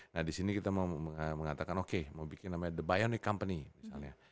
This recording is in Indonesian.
nah di sini kita mau mengatakan oke mau bikin namanya the bionic company misalnya